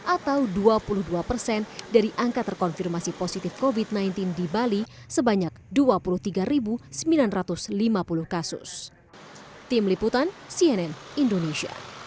atau dua puluh dua persen dari angka terkonfirmasi positif covid sembilan belas di bali sebanyak dua puluh tiga sembilan ratus lima puluh kasus